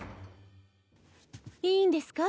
いいんですか？